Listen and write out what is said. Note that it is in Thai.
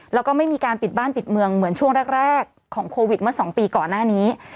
แล้วก็ไม่มีการปิดบ้านปิดเมืองเหมือนช่วงแรกของโควิดเมื่อ๒ปีก่อนหน้านี้